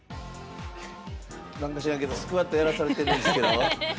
なんか知らんけどスクワットやらされてるんですけど。